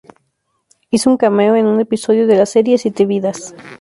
Hizo un cameo en un episodio de la serie Siete vidas.